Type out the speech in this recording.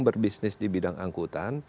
berbisnis di bidang angkutan